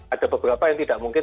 ada beberapa yang tidak mungkin